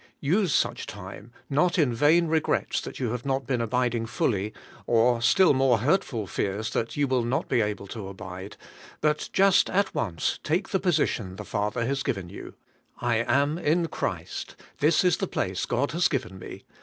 Use such time, not in vain regrets that you have not been abiding fully, or still more hurtful fears that you will not be able to abide, but just at once take the position the Father has given you: 'I am in Christ; this is the place God has given me.